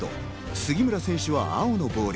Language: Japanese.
杉村選手は青のボール。